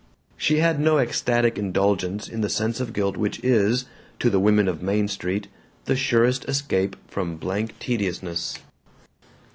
She had no ecstatic indulgence in the sense of guilt which is, to the women of Main Street, the surest escape from blank tediousness.